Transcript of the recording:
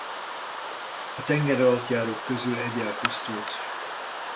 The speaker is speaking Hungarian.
A tengeralattjárók közül egy elpusztult.